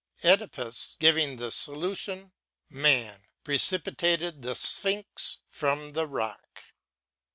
* CEdipus, giving the solution Man, precipitated the Sphinx from the rock.